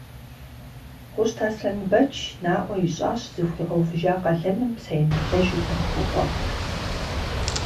Хъущт Аслъэнбэч наӏуэ ищӏащ зыхуигъэувыжа къалэным псэемыблэжу зэрыхуэкӏуэфыр.